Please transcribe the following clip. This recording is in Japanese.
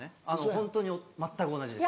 ホントに全く同じです。